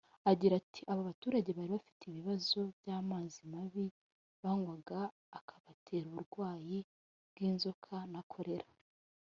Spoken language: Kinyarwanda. Agira ati “Aba baturage bari bafite ibibazo by’amazi mabi banywaga akabatera uburwayi bw’inzoka na “Cholera”